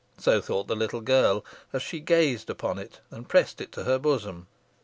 So thought the little girl, as she gazed at it, and pressed it to her bosom.